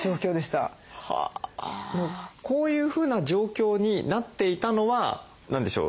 こういうふうな状況になっていたのは何でしょう？